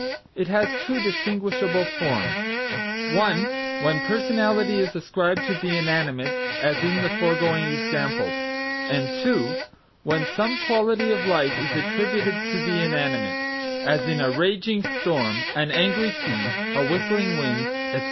It has two distinguishable forms: (1) when personality is ascribed to the inanimate as in the foregoing examples, and (2) when some quality of life is attributed to the inanimate; as, a raging storm; an angry sea; a whistling wind, etc.